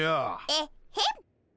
エッヘン。